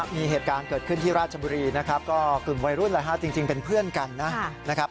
มีเหตุการณ์เกิดขึ้นที่ราชบุรีนะครับก็กลุ่มวัยรุ่นจริงเป็นเพื่อนกันนะครับ